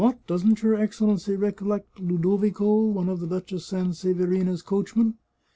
doesn't your Excellency recollect Ludovico, one of the Duchess Sanseverina's coachmen?